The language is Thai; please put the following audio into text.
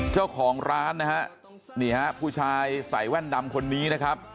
เจ้าของร้านนะฮะนี่ฮะผู้ชายใส่แว่นดำคนนี้นะครับ